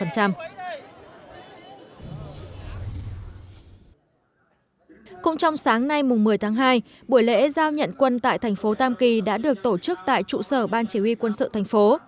cũng trong sáng nay một mươi tháng hai buổi lễ giao nhận quân tại thành phố tam kỳ đã được tổ chức tại trụ sở ban chỉ huy quân sự thành phố